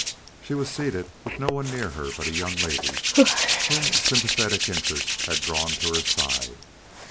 She was seated with no one near her but a young lady whom sympathetic interest had drawn to her side.